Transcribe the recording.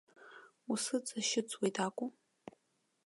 Усыҵашьыцуеит акәу?